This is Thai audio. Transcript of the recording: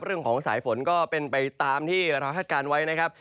เรื่องของสายฝนก็เป็นไปตามที่เราคาดการณ์ไว้นะครับ